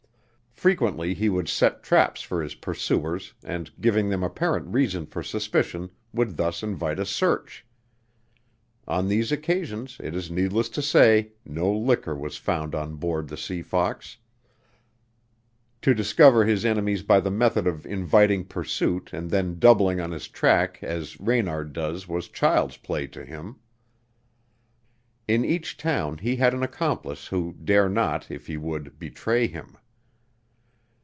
Frequently he would set traps for his pursuers, and, giving them apparent reason for suspicion, would thus invite a search. On these occasions, it is needless to say, no liquor was found on board the Sea Fox. To discover his enemies by the method of inviting pursuit and then doubling on his track as Reynard does was child's play to him. In each town he had an accomplice who dare not, if he would, betray him.